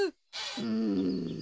うん。